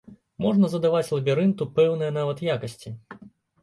Можна задаваць лабірынту пэўныя нават якасці.